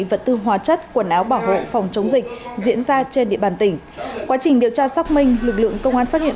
vật tư hóa chất quần áo bảo hộ phòng chống dịch diễn ra trên địa bàn tỉnh quá trình điều tra xác minh lực lượng công an phát hiện